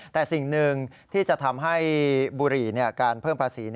แต่สิ่งหนึ่งที่จะทำให้บุหรี่การเพิ่มภาษี